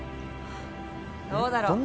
どうだろう？